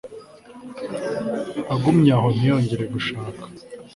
agumye aho ntiyongere gushaka